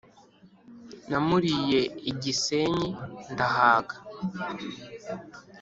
namuriye i gisenyi, ndahaga